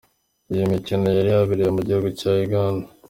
Iyi mikino yari yabereye mu gihugu cya Uganda.